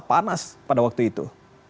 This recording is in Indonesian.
panas pada waktu itu